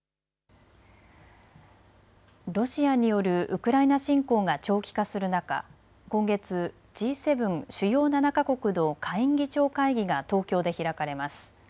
ロシアによるウクライナ侵攻が長期化する中、今月、Ｇ７・主要７か国の下院議長会議が東京で開かれます。